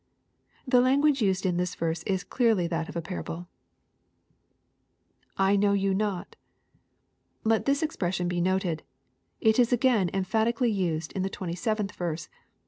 '] The language used in this verse ia clearly that of parable. [I know you not] Let this expression be noted. It is again emphatically used in the 27th verse.